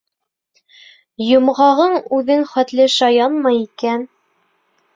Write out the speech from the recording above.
Йомғағың үҙең хәтле шаянмы икән?